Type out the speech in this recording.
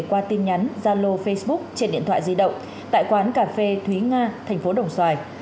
qua tin nhắn gia lô facebook trên điện thoại di động tại quán cà phê thúy nga thành phố đồng xoài